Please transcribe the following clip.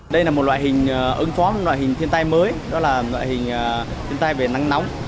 đây là một loại hình ứng phó với loại hình thiên tai mới đó là loại hình thiên tai về nắng nóng